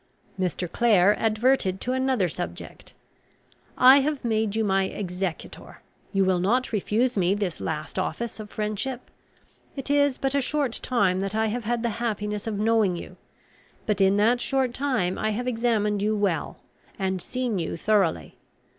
Mr. Clare adverted to another subject. "I have made you my executor; you will not refuse me this last office of friendship. It is but a short time that I have had the happiness of knowing you; but in that short time I have examined you well, and seen you thoroughly.